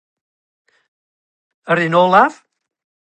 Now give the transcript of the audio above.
Sinema rhithiwr yw'r canlyniad.